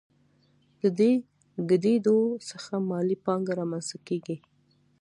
د دې ګډېدو څخه مالي پانګه رامنځته کېږي